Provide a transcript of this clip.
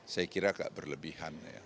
saya kira agak berlebihan ya